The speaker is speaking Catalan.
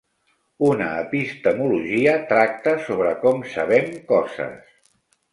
Una epistemologia tracta sobre com "sabem" coses.